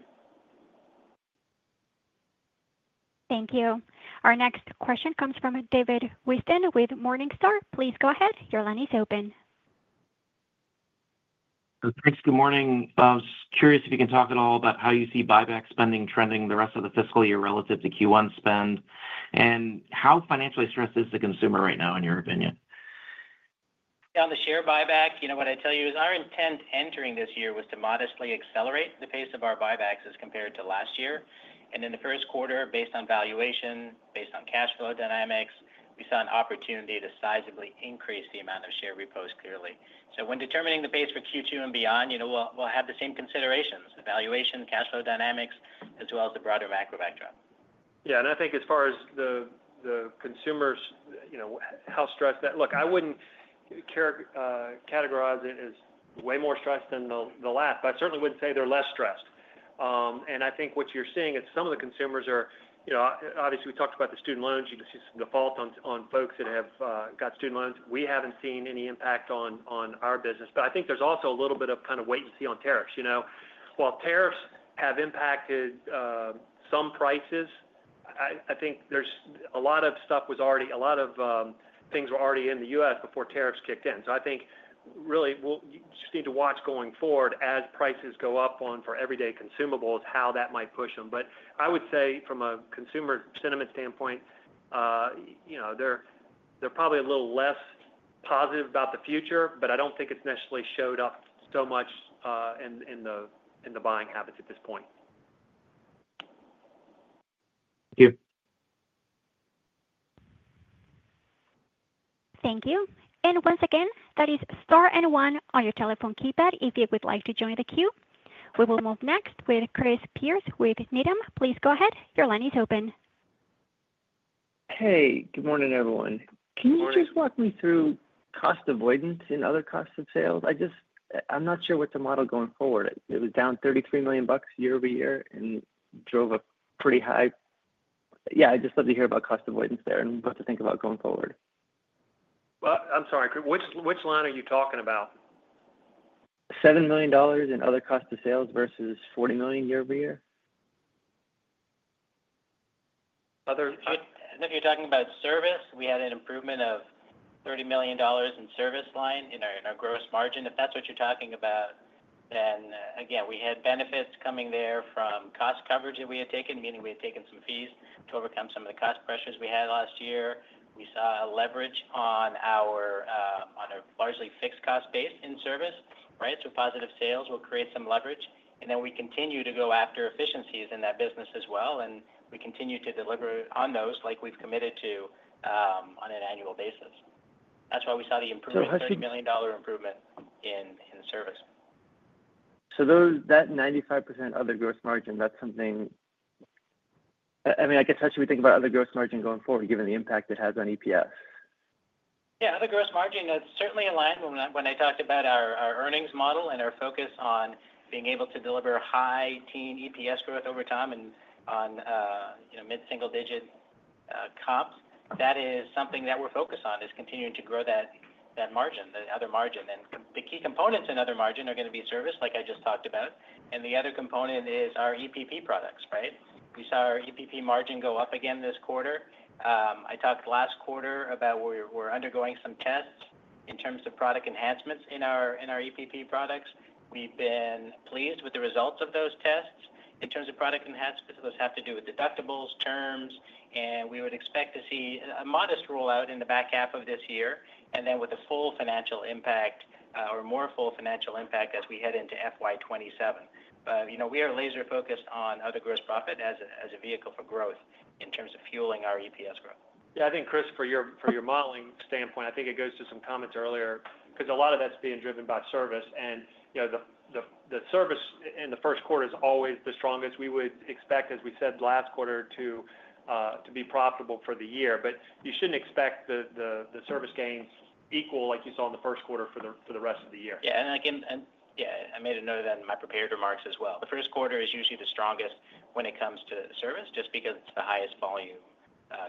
Thank you. Our next question comes from David Whiston with Morningstar. Please go ahead. Your line is open. Thanks. Good morning. I was curious if you can talk at all about how you see buyback spending trending the rest of the fiscal year relative to Q1 spend and how financially stressed is the consumer right now, in your opinion? Yeah. On the share buyback, what I tell you is our intent entering this year was to modestly accelerate the pace of our buybacks as compared to last year. In the first quarter, based on valuation, based on cash flow dynamics, we saw an opportunity to sizably increase the amount of share repurchase clearly. When determining the pace for Q2 and beyond, we'll have the same considerations: the valuation, cash flow dynamics, as well as the broader macro backdrop. Yeah. I think as far as the consumers, how stressed that look, I would not categorize it as way more stressed than the last, but I certainly would not say they are less stressed. I think what you are seeing is some of the consumers are obviously, we talked about the student loans. You can see some default on folks that have got student loans. We have not seen any impact on our business, but I think there is also a little bit of kind of wait and see on tariffs. While tariffs have impacted some prices, I think a lot of things were already in the U.S. before tariffs kicked in. I think really we just need to watch going forward as prices go up on everyday consumables how that might push them. I would say from a consumer sentiment standpoint, they're probably a little less positive about the future, but I don't think it's necessarily showed up so much in the buying habits at this point. Thank you. Thank you. Once again, that is star and one on your telephone keypad if you would like to join the queue. We will move next with Chris Pierce with Needham. Please go ahead. Your line is open. Hey. Good morning, everyone. Good morning. Can you just walk me through cost avoidance in other costs of sales? I'm not sure what's the model going forward. It was down $33 million year-over-year and drove a pretty high. Yeah. I just love to hear about cost avoidance there and what to think about going forward. I'm sorry. Which line are you talking about? $7 million in other costs of sales versus $40 million year-over-year. You're talking about service. We had an improvement of $30 million in service line in our gross margin. If that's what you're talking about, then again, we had benefits coming there from cost coverage that we had taken, meaning we had taken some fees to overcome some of the cost pressures we had last year. We saw a leverage on a largely fixed cost base in service, right? Positive sales will create some leverage. We continue to go after efficiencies in that business as well, and we continue to deliver on those like we've committed to on an annual basis. That's why we saw the improvement, $30 million improvement in service. That 95% other gross margin, that's something, I mean, I guess that's what we think about other gross margin going forward, given the impact it has on EPS. Yeah. Other gross margin is certainly aligned when I talked about our earnings model and our focus on being able to deliver high teen EPS growth over time and on mid-single digit comps. That is something that we're focused on is continuing to grow that margin, that other margin. The key components in other margin are going to be service, like I just talked about. The other component is our EPP products, right? We saw our EPP margin go up again this quarter. I talked last quarter about where we're undergoing some tests in terms of product enhancements in our EPP products. We've been pleased with the results of those tests. In terms of product enhancements, those have to do with deductibles, terms, and we would expect to see a modest rollout in the back half of this year and then with a full financial impact or more full financial impact as we head into FY 2027. We are laser-focused on other gross profit as a vehicle for growth in terms of fueling our EPS growth. Yeah. I think, Chris, for your modeling standpoint, I think it goes to some comments earlier because a lot of that's being driven by service. The service in the first quarter is always the strongest. We would expect, as we said last quarter, to be profitable for the year. You should not expect the service gains equal like you saw in the first quarter for the rest of the year. Yeah. Again, I made a note of that in my prepared remarks as well. The first quarter is usually the strongest when it comes to service just because it is the highest volume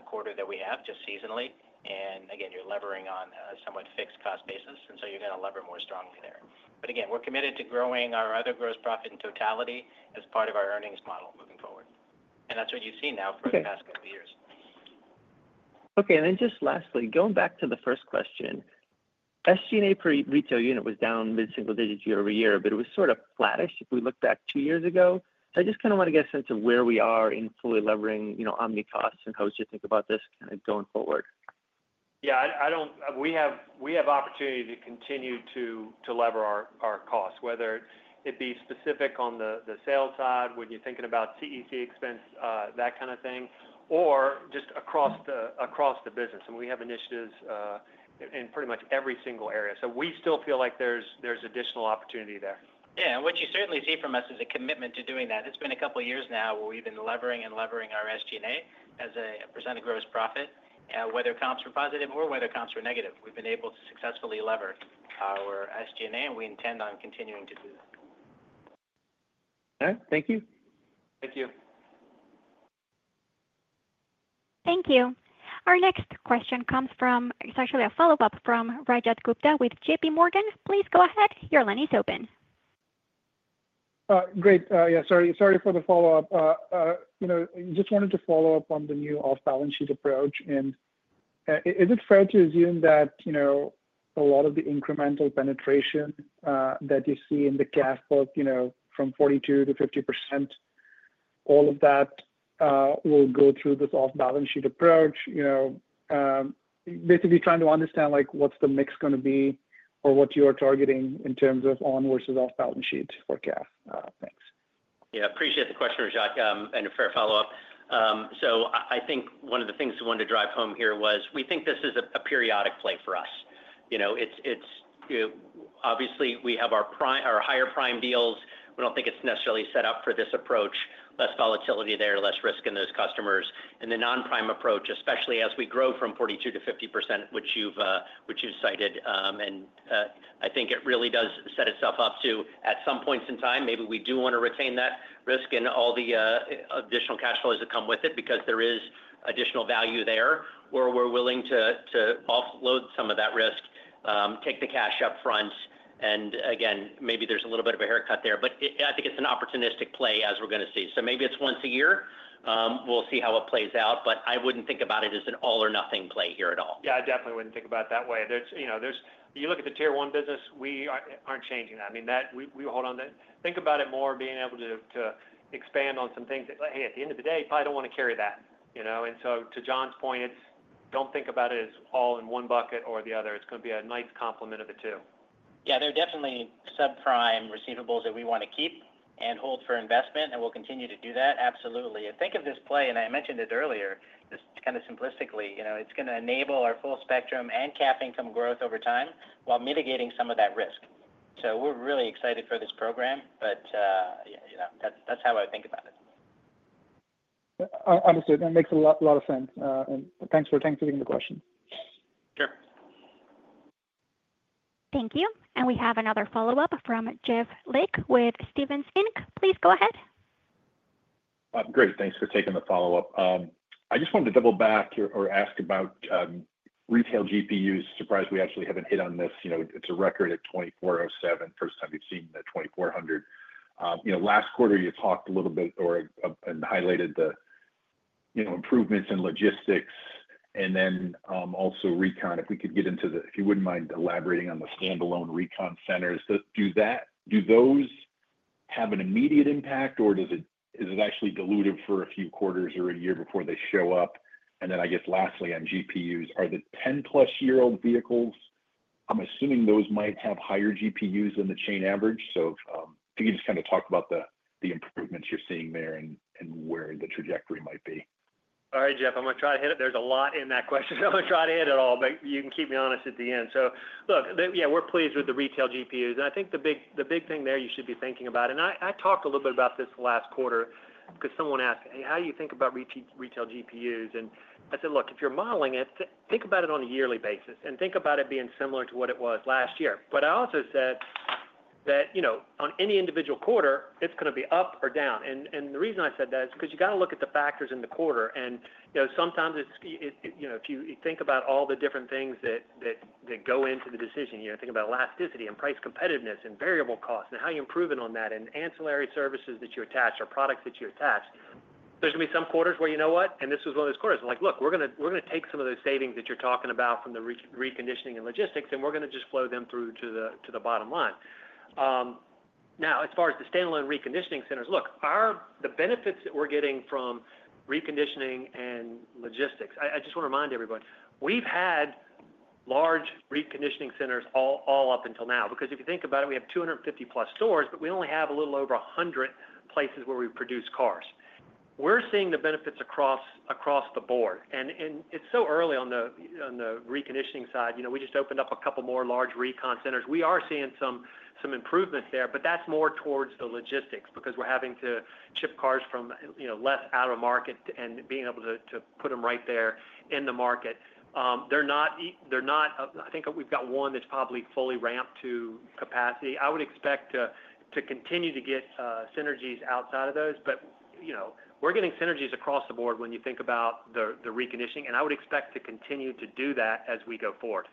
quarter that we have just seasonally. Again, you are levering on a somewhat fixed cost basis, and so you are going to lever more strongly there. Again, we are committed to growing our other gross profit in totality as part of our earnings model moving forward. That is what you have seen now for the past couple of years. Okay. And then just lastly, going back to the first question, SG&A per retail unit was down mid-single digit year-over -year, but it was sort of flattish if we look back two years ago. I just kind of want to get a sense of where we are in fully levering Omni costs and how we should think about this kind of going forward. Yeah. We have opportunity to continue to lever our costs, whether it be specific on the sale side, when you're thinking about CEC expense, that kind of thing, or just across the business. And we have initiatives in pretty much every single area. So we still feel like there's additional opportunity there. Yeah. What you certainly see from us is a commitment to doing that. It's been a couple of years now where we've been levering and levering our SG&A as a percent of gross profit, whether comps were positive or whether comps were negative. We've been able to successfully lever our SG&A, and we intend on continuing to do that. All right. Thank you. Thank you. Thank you. Our next question comes from, it is actually a follow-up from Rajat Gupta with JPMorgan. Please go ahead. Your line is open. Great. Yeah. Sorry for the follow-up. I just wanted to follow up on the new off-balance sheet approach. Is it fair to assume that a lot of the incremental penetration that you see in the CAF book from 42% to 50%, all of that will go through this off-balance sheet approach? Basically, trying to understand what's the mix going to be or what you are targeting in terms of on versus off-balance sheet for cash things. Yeah. Appreciate the question, Rajat. A fair follow-up. I think one of the things we wanted to drive home here was we think this is a periodic play for us. Obviously, we have our higher prime deals. We do not think it is necessarily set up for this approach. Less volatility there, less risk in those customers. The non-prime approach, especially as we grow from 42% to 50%, which you have cited, I think it really does set itself up to, at some points in time, maybe we do want to retain that risk and all the additional cash flows that come with it because there is additional value there where we are willing to offload some of that risk, take the cash upfront. Again, maybe there is a little bit of a haircut there, but I think it is an opportunistic play as we are going to see. Maybe it's once a year. We'll see how it plays out, but I wouldn't think about it as an all-or-nothing play here at all. Yeah. I definitely wouldn't think about it that way. You look at the Teir 1 business, we aren't changing that. I mean, we hold on to think about it more being able to expand on some things that, hey, at the end of the day, probably don't want to carry that. To Jon's point, don't think about it as all in one bucket or the other. It's going to be a nice complement of the two. Yeah. There are definitely subprime receivables that we want to keep and hold for investment, and we'll continue to do that. Absolutely. Think of this play, and I mentioned it earlier, just kind of simplistically. It's going to enable our full spectrum and cap income growth over time while mitigating some of that risk. We are really excited for this program, but that's how I think about it. Understood. That makes a lot of sense. Thanks for taking the question. Sure. Thank you. We have another follow-up from Jeff Lick with Stephens Inc. Please go ahead. Great. Thanks for taking the follow-up. I just wanted to double back or ask about retail GPUs. Surprised we actually haven't hit on this. It's a record at $2,407, first time you've seen the $2,400. Last quarter, you talked a little bit or highlighted the improvements in logistics and then also recon. If we could get into the if you wouldn't mind elaborating on the standalone recon centers, do those have an immediate impact, or is it actually diluted for a few quarters or a year before they show up? I guess lastly on GPUs, are the 10+ year-old vehicles, I'm assuming those might have higher GPUs than the chain average. If you could just kind of talk about the improvements you're seeing there and where the trajectory might be. All right, Jeff. I'm going to try to hit it. There's a lot in that question. I'm going to try to hit it all, but you can keep me honest at the end. Look, yeah, we're pleased with the retail GPUs. I think the big thing there you should be thinking about, and I talked a little bit about this last quarter because someone asked, "Hey, how do you think about retail GPUs?" I said, "Look, if you're modeling it, think about it on a yearly basis and think about it being similar to what it was last year." I also said that on any individual quarter, it's going to be up or down. The reason I said that is because you got to look at the factors in the quarter. If you think about all the different things that go into the decision, think about elasticity and price competitiveness and variable costs and how you're improving on that and ancillary services that you attach or products that you attach. There are going to be some quarters where, you know what? This was one of those quarters. I'm like, "Look, we're going to take some of those savings that you're talking about from the reconditioning and logistics, and we're going to just flow them through to the bottom line." Now, as far as the standalone reconditioning centers, the benefits that we're getting from reconditioning and logistics, I just want to remind everyone, we've had large reconditioning centers all up until now because if you think about it, we have 250+ stores, but we only have a little over 100 places where we produce cars. We're seeing the benefits across the board. It's so early on the reconditioning side. We just opened up a couple more large recon centers. We are seeing some improvement there, but that's more towards the logistics because we're having to ship cars less out of market and being able to put them right there in the market. I think we've got one that's probably fully ramped to capacity. I would expect to continue to get synergies outside of those, but we're getting synergies across the board when you think about the reconditioning. I would expect to continue to do that as we go forward.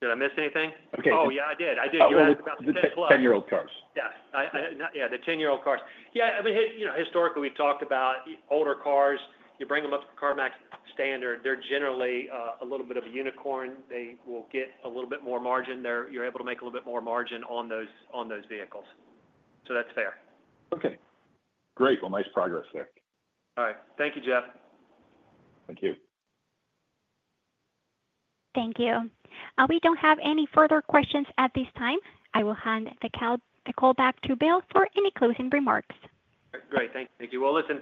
Did I miss anything? Okay. Oh, yeah, I did. I did. You asked about the 10-year-old cars. 10-year-old cars. Yeah. Yeah. The 10-year-old cars. Yeah. I mean, historically, we've talked about older cars. You bring them up to the CarMax standard. They're generally a little bit of a unicorn. They will get a little bit more margin. You're able to make a little bit more margin on those vehicles. So that's fair. Okay. Great. Nice progress there. All right. Thank you, Jeff. Thank you. Thank you. We do not have any further questions at this time. I will hand the call back to Bill for any closing remarks. Great. Thank you.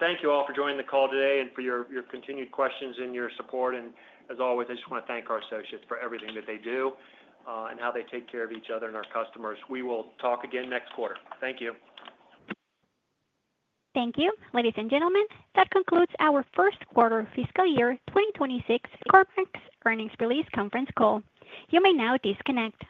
Thank you all for joining the call today and for your continued questions and your support. As always, I just want to thank our associates for everything that they do and how they take care of each other and our customers. We will talk again next quarter. Thank you. Thank you. Ladies and gentlemen, that concludes our First Quarter Fiscal Year 2026 CarMax Earnings Release Conference Call. You may now disconnect.